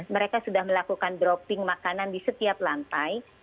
mereka sudah melakukan dropping makanan di setiap lantai